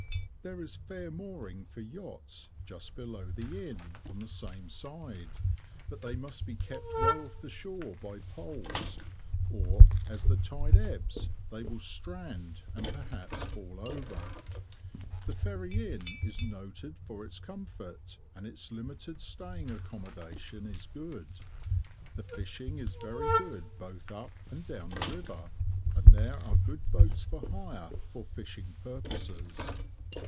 There is fair mooring for yachts just below the Inn, on the same side, but they must be kept well off the shore by poles, or as the tide ebbs they will strand and perhaps fall over. The Ferry Inn is noted for its comfort; and its limited staying accommodation is good. The fishing is very good both up and down the river, and there are good boats for hire for fishing purposes.